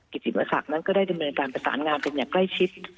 กิจิมศักดิ์นั้นก็ได้ดำเนินการประสานงานกันอย่างใกล้ชิด